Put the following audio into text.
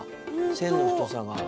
線の太さが。